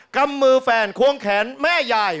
กำมือแฟนควงแขนแม่ยาย